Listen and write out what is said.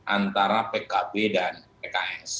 antara pkb dan pks